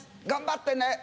頑張ってね！